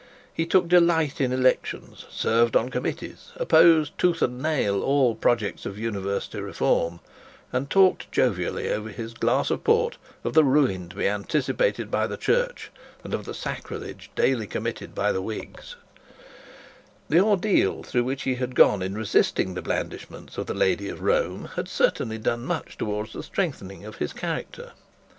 He took delight in elections, served on committees, opposed tooth and nail all projects of university reform, and talked jovially over his glass of port of the ruin to be committed by the Whigs. The ordeal through which he had gone, in resisting the blandishments of the lady of Rome, had certainly done much towards the strengthening of his character.